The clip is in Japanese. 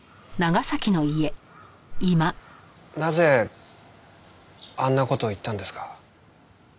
なぜあんな事を言ったんですか？